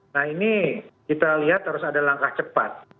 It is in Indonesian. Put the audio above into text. nah ini kita lihat harus ada langkah cepat